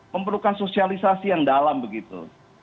memerlukan sosialisasi yang dalam begitu